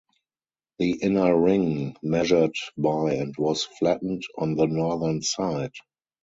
The inner ring measured by and was flattened on the northern side.